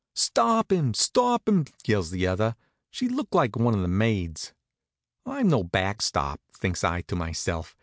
"Stop 'im! Stop 'im!" yells the other. She looked like one of the maids. "I'm no backstop," thinks I to myself.